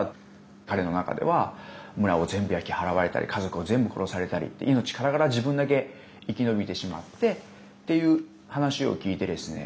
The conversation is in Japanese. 彼の中では村を全部焼き払われたり家族を全部殺されたり命からがら自分だけ生き延びてしまってっていう話を聞いてですね